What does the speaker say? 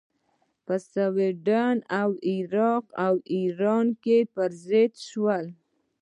په سودان او عراق او ایران کې پر ضد شوې.